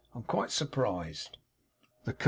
I am quite surprised.' 'The Co.